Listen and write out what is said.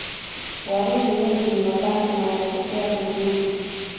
Waruri wengi ni Wabantu na wanatokea Bururi